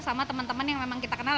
sama teman teman yang memang kita kenal